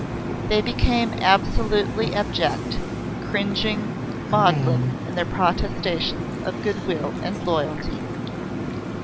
They became absolutely abject, cringing, maudlin in their protestations of good will and loyalty.